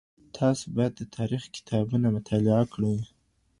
تاسو بايد د تاريخ کتابونه مطالعه کړئ.